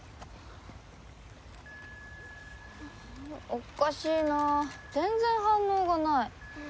おかしいな全然反応がない。